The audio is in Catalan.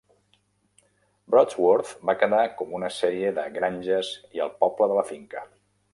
Brodsworth va quedar com una sèrie de granges i el poble de la finca.